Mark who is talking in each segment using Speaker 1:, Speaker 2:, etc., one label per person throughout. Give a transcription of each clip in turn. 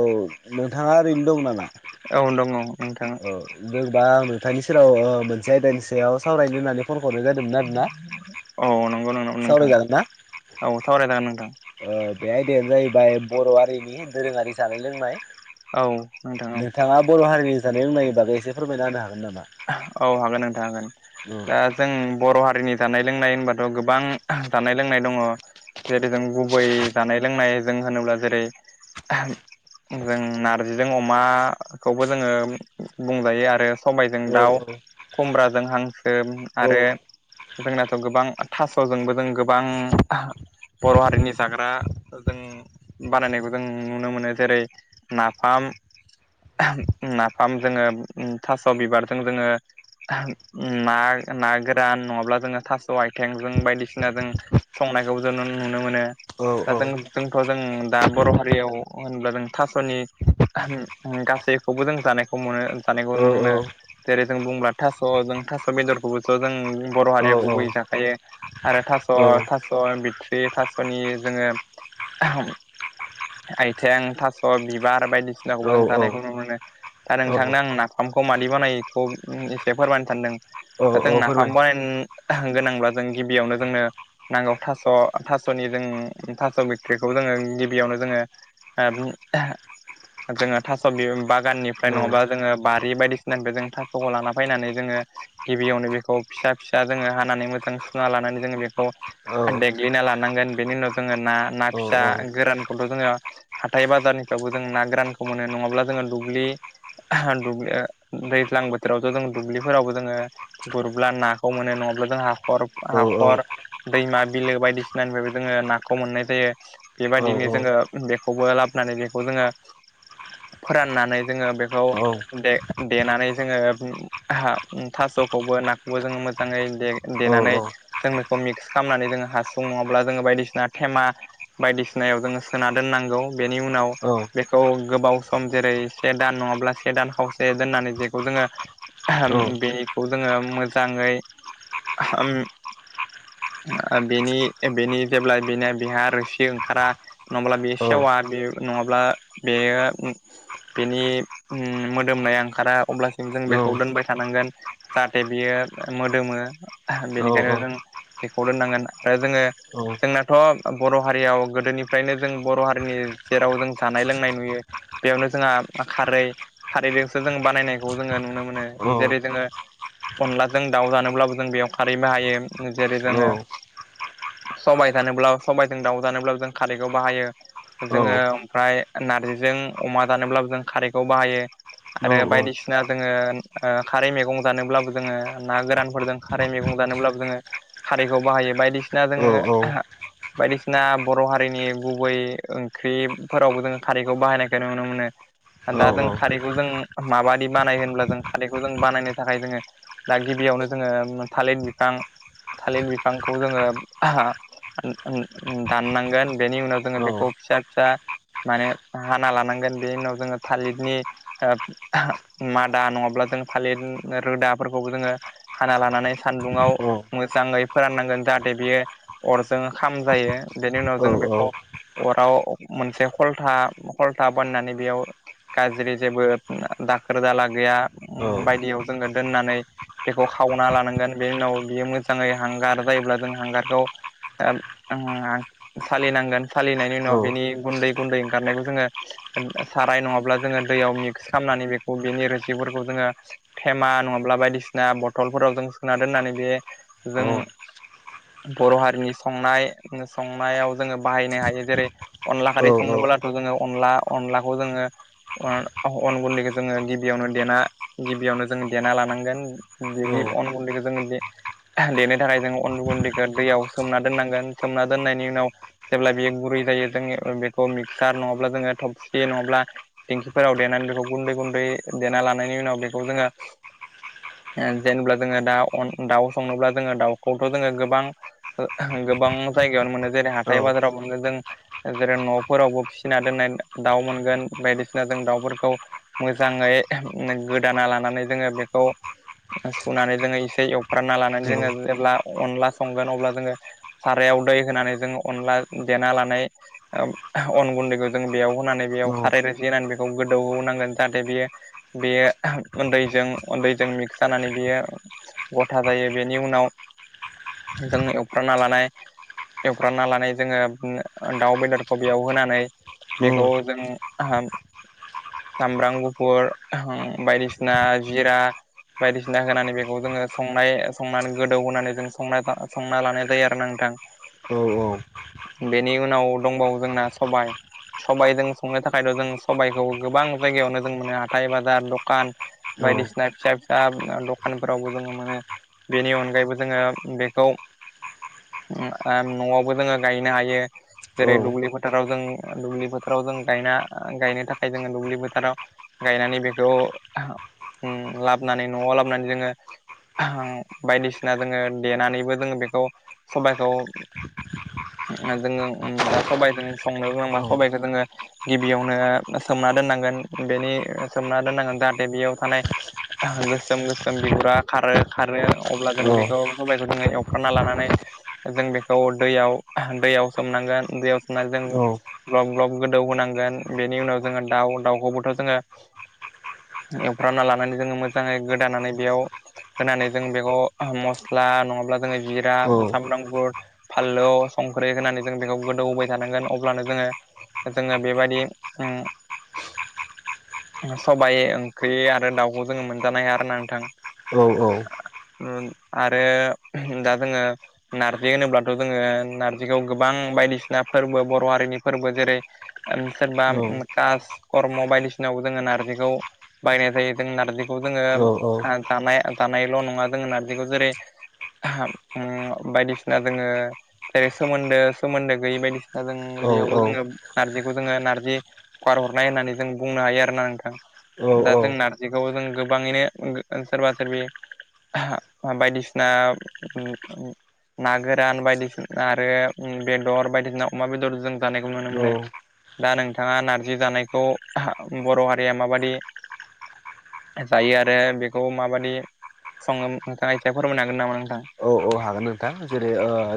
Speaker 1: औ नोंथाङा ओरैनो दं नामा?
Speaker 2: औ दङ नोंथां
Speaker 1: औ जेनबा आं नोंथांनि सेराव मोनसे आयदानि सायाव सावरायनो होननानै फन हरनाय जादोंमोन आरोना
Speaker 2: [unintelligible] नोंथां
Speaker 1: सावरायजागोन ना?
Speaker 2: औ सावरायजागोन नोंथां।
Speaker 1: बे आयदायानो जाहैबाय बर' हारिनि दोरोङारि जानाय लोंनाय
Speaker 2: औ नोंथां
Speaker 1: नोंथाङा बर' हारिनि जानाय लोंनायनि बागै एसे फोरमायना होनो हागोन? नामा?
Speaker 2: औ हागोन नोंथां हागोन
Speaker 1: औ
Speaker 2: दा जों बर' हारिनि जानाय लोंनाय होनबाथ' गोबां जानाय लोंनाय दङ। जेरै जों गुबै जानाय लोंनायजों होनोब्ला जेरै जों नारजिजों अमाखौबो जोङो बुंजायो आरो सबाय
Speaker 1: औ
Speaker 2: जों दाउ खुमब्राजों हांसो
Speaker 1: औ
Speaker 2: आरो जोंनाथ' गोबां थास'जोंबो जों गोबां बर' हारिनि जाग्रा जों बानायनायखौ जों नुनो मोनो। जेरै नाफाम
Speaker 1: [inaudible]
Speaker 2: नाफाम जोङो थास' बिबारजों जोङो। ना-नागोरान नङाब्ला जोङो थास' आथिंजों बायदिसिना जों संनायखौ जों नुनो मोनो।
Speaker 1: औ
Speaker 2: दा जों जोंथ' जों दा बर' हारियाव होनोबा जों थास'नि गासैखौबो जों जानायखौ मोनो जानायखौ
Speaker 1: औ
Speaker 2: नुनो मोनो । जेरै जों बुंब्ला थास' जों थास' बेदरखौबो थ' जों बर'
Speaker 1: औ
Speaker 2: हारिया गुबैयै जाखायो आरो थास'
Speaker 1: औ
Speaker 2: थास' बिथ्रि थास'नि जोङो आइथें थास' बिबार बायदिसिनाखौबो जों जानायखौ नुनो मोनो दा
Speaker 1: औ
Speaker 2: नोंथांनो आं नाफामखौ मा - मादि बानायो एखौ एसे फोरमायनो सानदों
Speaker 1: औ औ
Speaker 2: दाजों
Speaker 1: फोरमाय
Speaker 2: नाफाम बानायनो गोनांब्ला गिबि गिबियावनो जोंनो नांगौ थास' थास'नि जों थास' बिथख्रिखौ जोङो गिबियावनो जोङो जोङो थास' बागाननिफ्राय
Speaker 1: औ
Speaker 2: नङाबा जोङो बारि बायदिसिना फ्राय जों थास'खौ लाना फैनानै जोङो गिबियावनो बेखौ फिसा फिसा जोङो हानानै मोजां सुना लानानै जोङो बेखौ
Speaker 1: औ
Speaker 2: देग्लिना लानांगोन बेनि उनाव जोङो ना ना
Speaker 1: औ
Speaker 2: फिसा गोरानखौथ' जोङो हाथाय बाजारनिफ्रायबो जों ना गोरानखौ मोनो नङाब्ला जोङो दुब्लि दुबलि दैज्लां बोथोरावथ' जों दुब्लिफोरावबो जोङो गुरब्ला नाखौ मोनो नङाब्ला जों हाखर
Speaker 1: औ
Speaker 2: ह
Speaker 1: औ
Speaker 2: खर दैमा बिलो बायदिसिनानिफ्राय जोङो नाखौ मोननाय जायो बेबायदिनो जोङो बेखौबो लाबोनानै बेखौ जोङो फोराननानै जोङो बेखौ दे देनानै जोङो थास'खौबो नाखौबो जोङो मोजाङै दे-देनानै जों बेखौ मिक्स खालामनानै जोङो हासु नङाब्ला जोङो बायदिसिना थेमा बायदिसिनायाव जोङो सोनार दोन्नांगौ बेनि उनाव बेखौ गोबाव सम जेरै से दान नङाब्ला से दान खावसे दोननानै जेखौ जोङो बेखौ जोङो मोजाङै ओम
Speaker 1: औ
Speaker 2: बेनि बेनि जेब्ला बेनि बेहा रोसि ओंखारा नङाब्ला बेयो
Speaker 1: औ
Speaker 2: सेवा बे नङाब्ला बे बेनि मोदोमनाया ओंखारा अब्लासिम जों
Speaker 1: औ
Speaker 2: बेखौ दोनबाय थानांगोन जाहाथे बियो मोदोमो बेनिखायनो जों बेखौ दोननांगोन आरो जोङो जोंनाथ' बर' हारियाव गोदोनिफ्रायनो जों बर' हारिनि जेराव जों जानाय लोंनाय नुयो बेयावनो जोंहा खारै खारैजोंसो जों बानायनायखौ जोङो नुनो मोनो जेरै जोङो अनलाजों दाउ जानोब्लाबो जों बेयाव खारै बाहायो जेरै जोङो सबाय थानोब्ला सबाइजों दाउ जानोब्ला जों खारैखौ बाहायो जोङो ओमफ्राय नारजिजों अमा दानोब्लाबो जों खारैखौ बाहायो आरो बायदिसिना। जोङो खारै मेगं जानोब्लाबो जोङो ना गोरानफोरजों खारै मैगं जानोब्लाबो जोङो खारैखौ बाहायो बायदिसिना जोङो बायदिसिना बर' हारिनि गुबै ओंख्रिफोरावबो जोङो खारैखौ बाहायनायखौ नुनो मोनो दा जों खारैखौ जों माबायदि बानाय होनब्ला जों खारैखौ जों बानायनो थाखाय जोङो दा गिबियावनो जोङो थालिर बिफां थालिर बिफांखौ जोङो दाननांगोन बेनि उनाव जोङो बेखौ फिसा फिसा माने हाना लानांगोन बे उनाव जोङो थालिरनि मादा नङाब्ला जों फालिर रोदाफोरखौबो जोङो हाना लानानै सान्दुंङाव मोजाङै फोराननांगोन जाहाथे बियो अरजों खाम जायो बेनि उनाव जोङो बेखौ अराव मोनसे ख'लथा ख'लथा बाननानै बेयाव गाज्रि जेबो दाखोर दाला गैया बायदियाव जोङो दोननानै बेखौ खावना लानांगोन बेनि उनाव बियो मोजाङै हांगार जायोब्ला जों हांगारखौ सालिनांगोन सालिनायनि उनाव बिनि गुन्दै गुन्दै ओंखारनायखौ जोङो साराय नङाब्ला जोङो दैयाव मिक्स खालामनानै बे बेनि रोसिफोरखौ जोङो थेमा नङाब्ला बायदिसिना बथलफोराव जों सोना दोननानै बे जों बर' हारिनि संनाय संनायाव जोङो बाहायनो हायो जेरै अनला खारै संनोबोलाथ' जोङो अनला अनलाखौ जोङो अन गन्दैखौ जोङो गिबियावनो देना गिबियावनो जोङो देना लानांगोन बिदि अन गुनदैखौ जोङो दे देनो थाखाय जोंङो अन्दु गुन्दैखौ दैयाव सोमना दोननांगोन सोमना दोननायनि उनाव जेब्ला बेयो गुरै जायो जोंनि बेखौ मिक्सार नङाब्ला जोङो थबसि नङाब्ला देंखिफोराव देनानै बेखौ गुन्दै गुन्दै देना लानायनि उनाव बेखौ जोङो जेन जोङो दा दाउ संनोब्ला जोङो दाउखौथ' जोङो गोबां गोबां जायायावनो मोन जेरै हाथाय बाजाराव मोन जों जेरै न'फोरावबो फिसिना दोननाय दाउ मोनगोन बायदि सिना जों दाउफोरखौ मोजाङै गोदाना लानानै जोङो बेखौ सुनानै जोङो एसे एवफ्रानना लानानै जोङो जेब्ला अनला संगोन अब्ला जोङो सारायाव दै होनानै जोङो अनला देना लानाय अन गुन्दैखौ जों बेयाव होनानै बेयाव खारै रोसि बेखौ गोदौहोनांगोन जाहाथे बियो बेयो उन्दै उन्दैजों मिक्स जानानै बेयो गथा जायो बेनि उनाव जोंनि एफ्रानना लानाय एवफ्रावना लानाय जोङो दाउ बेदरखौ बेयाव होनानै बेखौ जों आहाम सामब्राम गुफुर बायदिसिना जिरा बायदिसिना होनानै बेखौ जोङो संनाय संनानै गोदौ होनानै जों संना लानाय जायो आरो ना नोंथां
Speaker 1: औ औ
Speaker 2: बेनि उनाव दंबावो जोंना सबायाइ सबाइ जों संनो थाख खायद' जों सबबायखौ गोबां जायगायावनो जों मोनो हाथाय बाजार दखान बायदिसिना फिसा फिसा दखानफोरावबो जोङो मोनो बेनि अनगायैबो जोङो बेखौ न'आवबो जोङो गायनो हायो जेरै दुब्लि फोथाराव जों दुब्लि फोथाराव जों गायना गायनो थाखाय जोङो दुब्लि बोथोराव गायनानै बेखौ उम लाबोनानै न'आव लाबोनानै जोङो बायदिसिना जोङो देनानैबो जोङो बेखौ सबाइखौ जोङो दा सबाइजों संनो गोनांबा सबाइखौ जोङो गिबियावनो सोमना दोननांगोन बेनि सोमना दोननांगोन जाहाथे बेयाव थानाय गोसोम गोसोम बिगुरा खारो खारो अब्ला जों बेखौ सबायखौ मोजांयै एवखाना लानानै जों बेखौ दैयाव दैयाव सोमनांगोन दैयाव सोमनानै जों ग्लब ग्लब गोदौ होनांगोन बेनि उनाव जोङो दाउ दाउखौबोथ' जोङो एवफ्रामना लानानै जोङो मोजाङै गोदानानै बेयाव होनानै जों बेखौ मस्ला नङाब्ला जोङो जिरा सामब्राम गुफुर फानलु संख्रि होनानै जों बेखौ गोदौहोबाय थानांगोन अब्लानो जोङो जोङो बेबायदि सबायाइ ओंख्रि आरो दाउखौ जोङो मोनजानाय हाया आरोना नोंथां
Speaker 1: औ औ।
Speaker 2: आरो दा जोङो नार्जि होनोब्लाथ' जोङो नारजिखौ गोबां बायदिसिना फोरबो बर' हारिनि फोरबो जेरै सोरबा कास कर्म बायदिसिनायाव जोङो नारजिखौ बायनाय जायो जों नारजि जोङो जानाय जानायल' नङा जोङो नारजिखौ जेरै बायदिसिना जोङो जेरै सोमोन्दो सोमोन्दो गैयै बायदिसिना जों बेयावबो जोङो नारजिखौ जोङो नारजि हगार हरनाय होननानै जों बुंनो हायो आरो ना नोंथां दा जों नारजिखौ जों गोबाङैनो सोरबा सोरबि बायदिसिना ना गोरान बायदिसिना आरो बेदर बायदिसिना अमा बेदर जों जानायखौ नुनो मोनो दा नोंथाङा नारजि जानायखौ बर' हारिया माबादि जायो आरो बेखौ माबायदि सङो नोंथाङा एसे फोरमायनो हागोन नामा नोंथां?
Speaker 1: औ औ नोंथां जेरै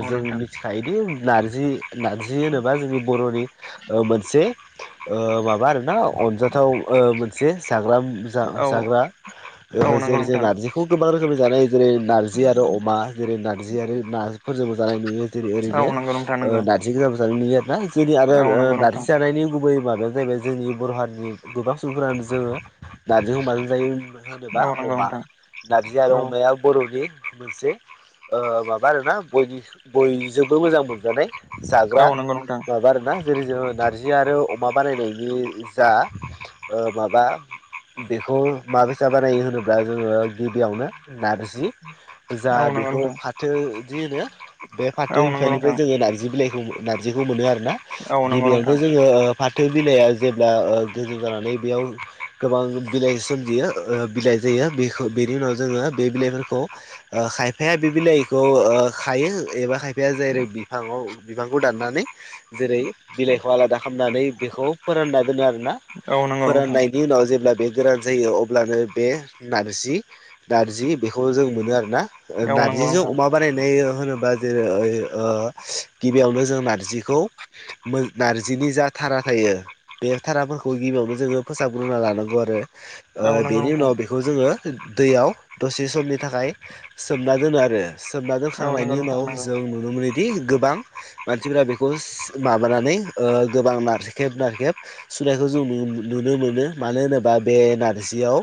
Speaker 2: औ
Speaker 1: जों
Speaker 2: नोंथां
Speaker 1: मिथिखायोदि नारजि नारजि होनोबा जोंनि बर'नि मोन मोनसे माबा आरोना अनजाथाव मोनसे
Speaker 2: औ
Speaker 1: जाग्रा
Speaker 2: औ नंगौ
Speaker 1: जेरै जों
Speaker 2: नोंथां
Speaker 1: नारजिखौ गोबां रोखोमनि जानाय जेरै नारजि आरो अमा जेरै नारजि नार्जिफोरजोंबो जानाय नुयो जेरै
Speaker 2: औ
Speaker 1: ओरैनो
Speaker 2: नंगौ नोंथां नंगौ
Speaker 1: नारजि गोजाबो जानाय नुयो आर ना जोंनि आरो
Speaker 2: औ नंगौ
Speaker 1: दाथि
Speaker 2: नोंथां
Speaker 1: जानायनि गुबै माथ बेनो जाहैबाय जोंनि बर' हारिनि गोबां सुबुंफोरानो जोङो नारजिजों माजों जायो। होनोबा
Speaker 2: औ नंगौ
Speaker 1: अमा
Speaker 2: नोंथां
Speaker 1: नारजि आरो
Speaker 2: औ
Speaker 1: अमाया बर'नि मोनसे माबा आरो ना बयजोंबो मोजां मोनजानाय जाग्रा
Speaker 2: औ नंगौ नोंथां
Speaker 1: माबा आरो ना जेरै जोङो नार्जि आरो अमा बानायनायनि जा माबा बेखौ माबाबसा बानायो होनोब्ला जोङो गिबियावनो नारजि जा
Speaker 2: औ नंगौ
Speaker 1: बेखौ
Speaker 2: नोंथां
Speaker 1: बिदि होनो बे फाथो
Speaker 2: औ नंगौ
Speaker 1: बिफांनिफ्राय
Speaker 2: नोंथां
Speaker 1: जोङो नारजि बिलाइखौ नारजिखौ मोनो आरो
Speaker 2: औ नंगौ
Speaker 1: गिबियावनो
Speaker 2: नोंथां
Speaker 1: जोङो फाथो बिलाइआ जेब्ला गोजौ जानानै बेयाव गोबां बिलाइ सोमजियो बिलाइ जेयो बेखौ बेनि उनाव जोंओ बे बिलाय फोरखौ ओ खायफाया बे बिलाइखौ खायो एबा खायफाया जै बिफाङाव बिफांखौ दाननानै जेरै बिलाइखौ आलादा खालामनानै बेखौ फोरानना दोनो आरो। ना
Speaker 2: औ नंगौ नोंथां
Speaker 1: फोराननायनि उनाव जेब्ला बे गोरान जायो अब्लानो बे नारजि नारजि बेखौ जों मोनो आरोना
Speaker 2: औ नंगौ नोंथां औ
Speaker 1: जिजौ अमा बानायनाय होनोबा जेरै गिबियावनो जों नार्जिखौ नार्जिनि जा थारा थायो। बे धाराफोरखौ गिबियावनो जोङो फोसाबग्रोना लानांगौ आरो
Speaker 2: नंगौ
Speaker 1: बेनि
Speaker 2: नोंथां
Speaker 1: उनाव बेखौ जोङो दैयाव दसे समनि थाखाय सोमना दोनना सोमना
Speaker 2: औ नंगौ
Speaker 1: दोनखांनायनि
Speaker 2: नोंथां
Speaker 1: उनाव
Speaker 2: नंगौ
Speaker 1: जों नुनो मोनो गोबां मानसिफ्रा बेखौ माबानानै गोबां नारसेब नारखेब सुनायखौ जों नुनो मोनो मानो होनोबा बे नारजियाव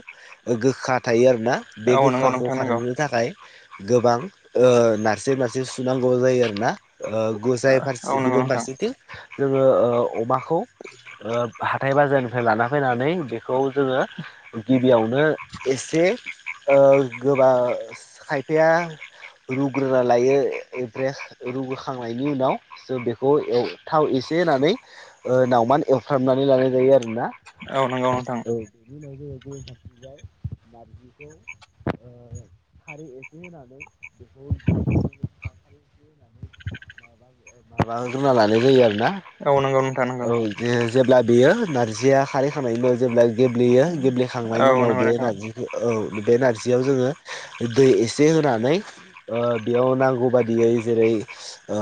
Speaker 1: गोखा थायो आरो ना बे
Speaker 2: औ नंगौ
Speaker 1: गोखाखौ
Speaker 2: नोंथां नंगौ
Speaker 1: खारहोनो थाखाय गोबां नारसि नारसि सुनांगौ जायो आरोना जाय
Speaker 2: औ
Speaker 1: फारसे
Speaker 2: नंगौ
Speaker 1: गुबुन
Speaker 2: नोंथां
Speaker 1: फारसेथिं जोङो अमा खौ हाथाय बाजारनिफ्राय लाना फैनानै बेखौ जोङो गिबियावनो एसे ओ गोबा खायफाया रुग्रोना लायोे एब्रेस रुग्रोखांनायनि उनाव जों बेखौ थाव थाव एस इसे होनानै ओ नावमान एवफ्रामनानै लानाय जायो आरो ना
Speaker 2: नंगौ नोंथां
Speaker 1: औ बेनि उनाव जोङो [unintelligible] थिबाय नारजिखौ ओ खारै एसे होनानै बेखौ [unintelligible] [inaudible] माबा ग्रोना लानाय जायो आरो ना
Speaker 2: औ नंगौ नोंथां नंगौ
Speaker 1: औ बे जेब्ला बेयो नारजिया खारै होखांनायनि उनाव जेब्ला गेब्लेयो गेब्लेखांनायनि
Speaker 2: औ
Speaker 1: उनाव
Speaker 2: नंगौ
Speaker 1: बे
Speaker 2: नोंथां
Speaker 1: नारजिखौ औ बे नारजियाव जोङो दै इसे से होनानै बेयाव नांगौ बादियै जेरै ओ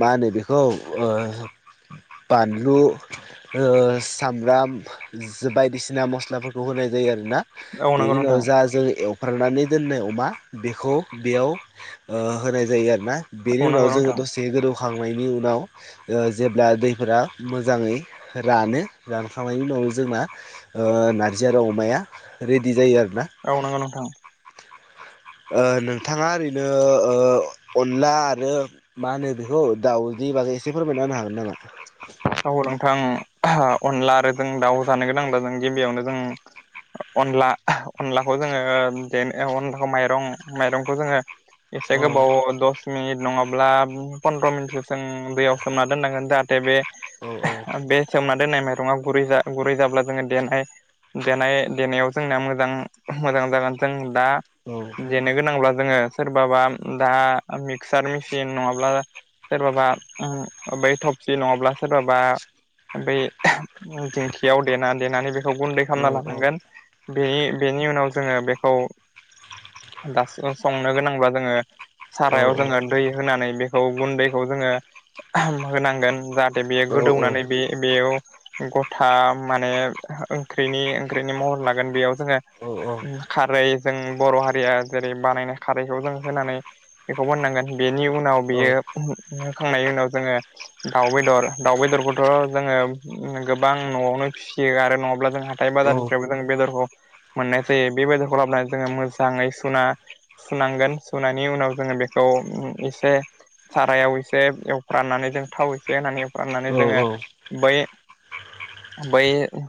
Speaker 1: मा होनो बेखौ ओ बानलु ओ सामब्राम बायदिसिना मस्लाफोरखौ होनाय जायो आरो। ना
Speaker 2: औ नंगौ
Speaker 1: बेनि उनाव
Speaker 2: नोंथां
Speaker 1: जा जों एवफ्रानानै दोननाय अमा बेखौ बेयाव होनाय जायो आरो। ना बेनि
Speaker 2: औ
Speaker 1: उनाव
Speaker 2: नंगौ
Speaker 1: जोङो
Speaker 2: नोंथां
Speaker 1: दसे गोदौ खांनायनि उनाव जेब्ला दैफोरा मोजाङै रानो रानखांनायनि उनाव जोंना ओ नारजि आरो अमाया रेडि जायो आरो।
Speaker 2: औ नंगौ नोंथां
Speaker 1: ओ नोंथाङा ओरैनो ओ अनला आरो मा होनो बेखौ दाउ निबागै एसे फोरमायना होनो हागोन नामा?
Speaker 2: औ नोंथां औ अनला आरो जों दाउ जानो गोनांब्ला जों गिबियावनो जों अनला अनलाखौ जोङो दे अनलाखौ माइरं माइरंखौ जोङो एसे गोबाव दस मिनिट नङाब्ला पन्द्र' मिनटसो जों दैयाव सोमना दोननांगोन जाहाथे बे बे सोमना दोननाय माइरङा गुरै जा गुरै जाब्ला जोङो देनाय देनाय देनायाव जोंनाया मोजां मोजां जागोन जों दा देनो गोनांब्ला जोङो सोरबाबा दा मिक्सार मेसिन नङाब्ला सोरबाबा बै थप सि नङाब्ला सोरबाबा बै दिंखियाव देना देनानै बे खौ गुन्दै
Speaker 1: औ औ
Speaker 2: खालामना
Speaker 1: औ
Speaker 2: लानांगोन बेनि बेनि उनाव जोङो बेखौ दा संनो गोनांब्ला जोङो सारायाव
Speaker 1: औ
Speaker 2: जोङो दै होनानै बेखौ गुन्दैखौ जोङो होनांगोन जा थे बेयो
Speaker 1: औ औ
Speaker 2: गोदौनानै बे बेयाव गथा माने ओंख्रिनि ओंख्रिनि महर लागोन बेयाव जोङो
Speaker 1: औ औ
Speaker 2: खारै जों बर' हारिया जेरै बानायनाय खारैखौ जों होनानै बेखौ बनांगो बेनि उनाव
Speaker 1: औ
Speaker 2: बियो होखांनायनि उनाव जोङो दाउ बेदर दाउ बेदरखौथ' जोङो गोबां न'आवनो फिसियो आरो नङाब्ला जों हाथाय बाजारनिफ्रायबो जों बेदरखौ मोननाय जायो बेबायदिखौ लाबोनानै जोङो मोजाङै सुना सुनांगोन सुनायनि उनाव जोङो बेखौ उम एसे सारायाव एसे एवफ्राननानै जों थाव एसे होनानै एवफ्रामनानै
Speaker 1: औ
Speaker 2: जोङो बै बै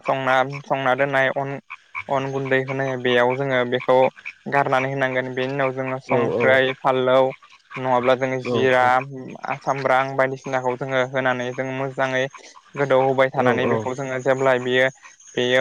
Speaker 2: संना संना दोननाय अन अन गुन्दै होनो बेयाव जोङो बेखौ गारनानै होनांगोन बेनि उनाव जोंना संख्रै
Speaker 1: औ
Speaker 2: बनलौ नङाब्ला जोङो जिरा
Speaker 1: औ
Speaker 2: सामब्राम बायदिसिनाखौ जोङो होनानै जों मोजाङै गोदौ होबाय
Speaker 1: औ
Speaker 2: थानानै
Speaker 1: औ
Speaker 2: बेखौ जोङो जेब्ला बियो बेयो